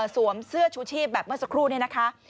เสื้อชูชีพแบบเมื่อสักครู่นี้นะคะ